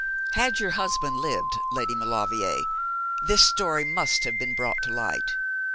Had your husband lived, Lady Maulevrier, this story must have been brought to light.